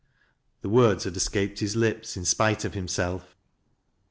The words had escaped his lips in spite of himself.